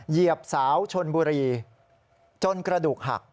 เหยียบสาวชนบุรีจนกระดูกหัก